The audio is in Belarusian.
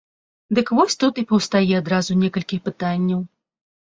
Дык вось тут і паўстае адразу некалькі пытанняў.